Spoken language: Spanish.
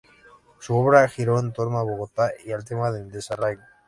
Su obra giró en torno a Bogotá y al tema del desarraigo.